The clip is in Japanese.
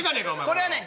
これはね